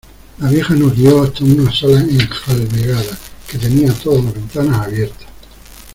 la vieja nos guió hasta una sala enjalbegada, que tenía todas las ventanas abiertas.